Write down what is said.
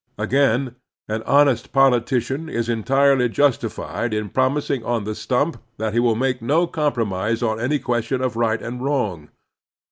Again, an honest politician is entirely justified in promising on the stump that he will make no compromise on any question of right and wrong.